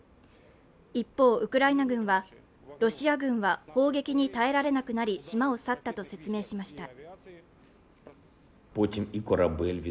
一方、ウクライナ軍はロシア軍は砲撃に耐えられなくなり島を去ったと説明しました。